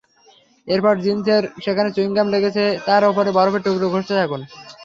এরপর জিনসের যেখানে চুইংগাম লেগেছে, তার ওপরে বরফের টুকরো ঘষতে থাকুন।